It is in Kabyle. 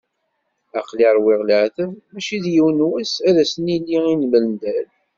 Aql-i ṛwiɣ leεtab, mačči d yiwen wass ad asen-nili i lmendad.